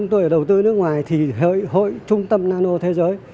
bởi đầu tư ở nước ngoài thì hội trung tâm nano thế giới